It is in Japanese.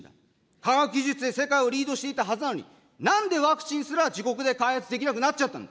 科学技術で世界をリードしていたはずなのに、なんでワクチンすら自国で開発できなくなっちゃったのか。